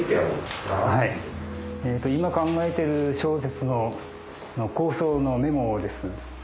はい今考えてる小説の構想のメモです。